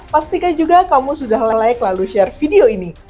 pastikan juga kamu sudah layak lalu share video ini